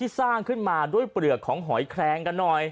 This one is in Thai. สร้างขึ้นมาด้วยเปลือกของหอยแคลงกันหน่อย